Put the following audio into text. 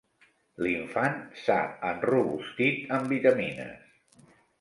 L'infant s'ha enrobustit amb vitamines.